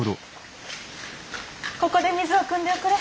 ここで水をくんでおくれ。